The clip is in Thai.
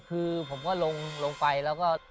คือผมก็ลงไปแล้วก็